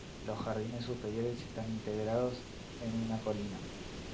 Los jardines superiores están integrados en una colina.